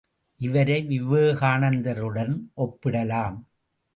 இவரை விவேகானந்தருடன் ஒப்பிடலாம்.